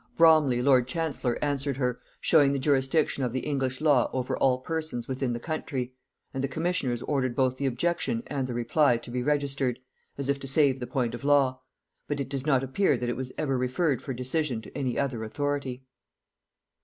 Bromley lord chancellor answered her, showing the jurisdiction of the English law over all persons within the country; and the commissioners ordered both the objection and the reply to be registered, as if to save the point of law; but it does not appear that it was ever referred for decision to any other authority.